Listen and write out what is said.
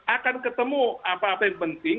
akan ketemu apa apa yang penting